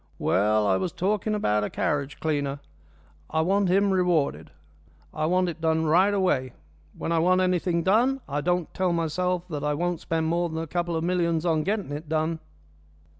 "Well, I was talking about a carriage cleaner. I want him rewarded. I want it done right away. When I want anything done I don't tell myself that I won't spend more than a couple of millions on getting it done."